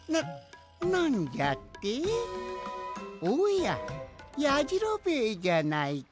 おややじろべえじゃないか。